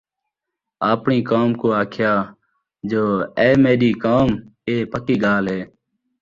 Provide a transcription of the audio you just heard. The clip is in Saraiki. آپڑیں قوم کوں آکھیا جو اے میݙی قوم! اِیہ پکّی ڳالھ ہے